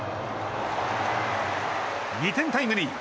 ２点タイムリー。